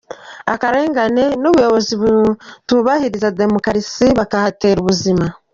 akarengane, n’ubuyobozi butubahiriza demokarasi, bakahatera ubuzima